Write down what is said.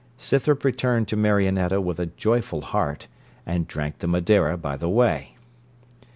Scythrop returned to Marionetta with a joyful heart, and drank the Madeira by the way.